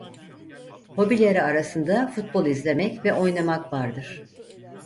Hobileri arasında futbol izlemek ve oynamak vardır.